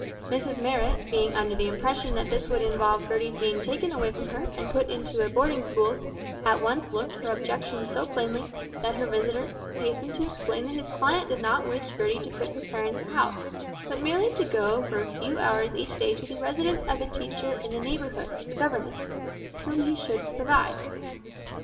Mrs Marrot, being under the impression that this would involve Gertie's being taken away from her, and being put to a boarding school, at once looked her objections so plainly, that her visitor hastened to explain that his client did not wish Gertie to quit her parents' house, but merely to go for a few hours each day to the residence of a teacher in the neighbourhood a governess whom he should provide.